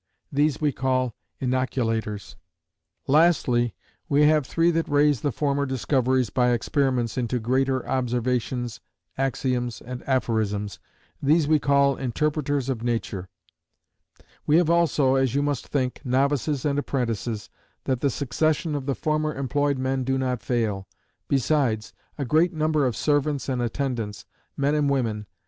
These we call Inoculators. "Lastly, we have three that raise the former discoveries by experiments into greater observations, axioms, and aphorisms. These we call Interpreters of Nature. "We have also, as you must think, novices and apprentices, that the succession of the former employed men do not fail; besides, a great number of servants and attendants, men and women.